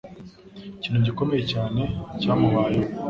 Ikintu gikomeye cyane cyamubayeho.